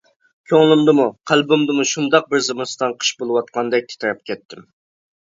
كۆڭلۈمدىمۇ، قەلبىمدىمۇ شۇنداق بىر زىمىستان قىش بولۇۋاتقاندەك تىترەپ كەتتىم.